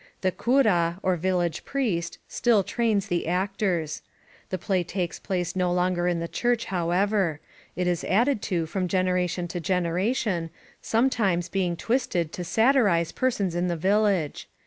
The ^ira^ or village priest, still trains the actors. The play takes place no longer in the church, however. It is added to from generation to generation, sometimes being twisted to satirize persons in the village.